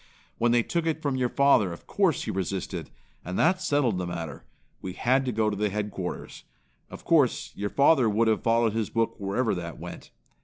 When they took it from your father, of course he resisted, and that settled the matter. We had to go to the headquarters. Of course, your father would have followed his book wherever that went.